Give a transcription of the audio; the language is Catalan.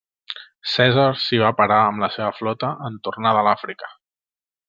Cèsar s'hi va parar amb la seva flota en tornar de l'Àfrica.